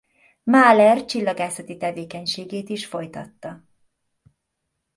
Mahler csillagászati tevékenységét is folytatta.